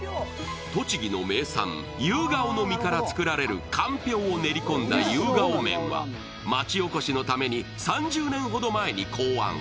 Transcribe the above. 栃木の名産、夕顔の実から作られるかんぴょうを練り込んだ夕顔麺は町おこしのために３０年ほど前に考案。